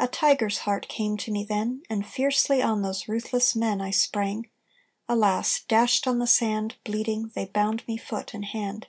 A tiger's heart came to me then, And fiercely on those ruthless men I sprang alas! dashed on the sand Bleeding, they bound me foot and hand.